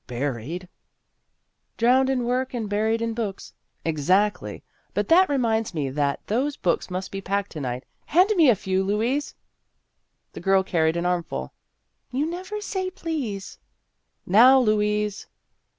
Buried !"" Drowned in work and buried in books." " Exactly. But that reminds me that those books must be packed to night. Hand me a few, Louise." The girl carried an armful. " You never say please." " Now, Louise."